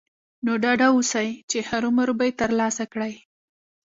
نو ډاډه اوسئ چې هرو مرو به يې ترلاسه کړئ.